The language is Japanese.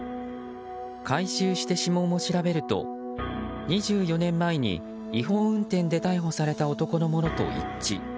回収して指紋を調べると２４年前に違法運転で逮捕された男のものと一致。